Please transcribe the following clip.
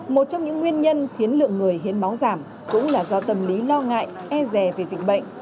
một trong những nguyên nhân khiến lượng người hiến máu giảm cũng là do tâm lý lo ngại e rè về dịch bệnh